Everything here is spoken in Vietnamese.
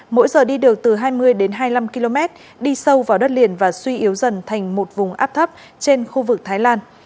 mỗi giờ đi được từ hai mươi đến hai mươi năm km đi sâu vào đất liền và suy yếu dần thành một vùng áp thấp trên khu vực thái lan